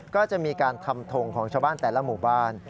ก็จะมีการทำทงของชาวบ้านแต่ละหมู่บ้าน